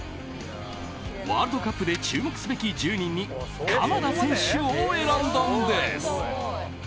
ワールドカップで注目すべき１０人に鎌田選手を選んだんです。